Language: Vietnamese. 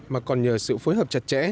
mà còn nhờ sự phối hợp chặt chẽ